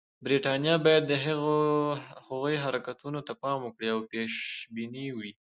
برټانیه باید د هغوی حرکتونو ته پام وکړي او پېشبینه وي.